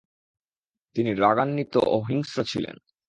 তিনি রাগান্বিত ও হিংস্র ছিলেন।